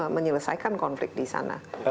menyelesaikan konflik di sana